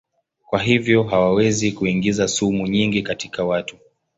Kwa hivyo hawawezi kuingiza sumu nyingi katika watu.